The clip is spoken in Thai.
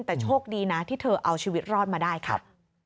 แต่โชคดีนะที่เธอเอาชีวิตรอดมาได้ครับ